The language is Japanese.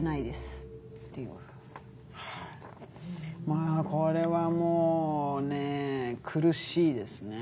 まあこれはもうね苦しいですね。